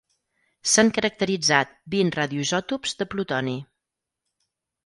S'han caracteritzat vint radioisòtops de plutoni.